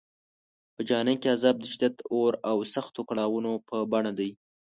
په جهنم کې عذاب د شدید اور او سختو کړاوونو په بڼه دی.